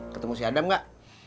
ketemu si adam gak